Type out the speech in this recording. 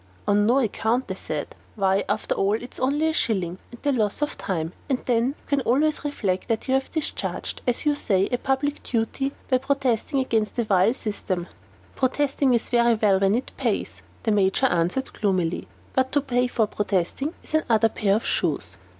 "On no account," I said. "Why, after all, it is only a shilling, and the loss of time. And then, you can always reflect that you have discharged, as you say, a public duty, by protesting against a vile system." "Protesting is very well, when it pays," the Major answered, gloomily; "but to pay for protesting is another pair of shoes."